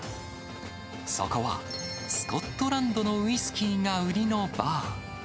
そこは、スコットランドのウイスキーが売りのバー。